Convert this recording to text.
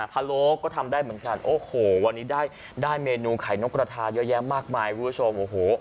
ะโล้ก็ทำได้เหมือนกันโอ้โหวันนี้ได้เมนูไข่นกกระทาเยอะแยะมากมายคุณผู้ชมโอ้โห